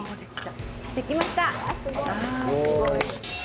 できました！